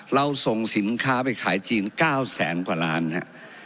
เราส่งสินค้าไปขายจีน๙แสนกว่าล้านฮะ